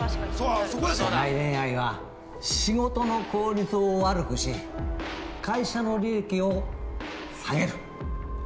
◆社内恋愛は仕事の効率を悪くし、会社の利益を下げる。